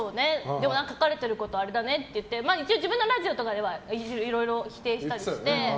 でも書かれてることあれだねって一応自分のラジオとかではいろいろ否定したりして。